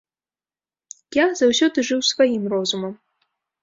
Я заўсёды жыў сваім розумам.